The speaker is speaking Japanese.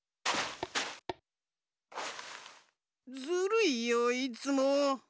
ずるいよいつも。